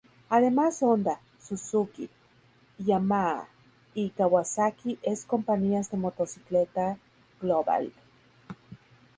Además Honda, Suzuki, Yamaha y Kawasaki es compañías de motocicleta global.